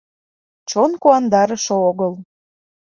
Чон куандарыше огыл.